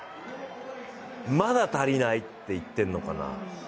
まだ足りないって言ってるのかな。